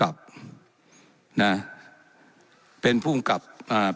และยังเป็นประธานกรรมการอีก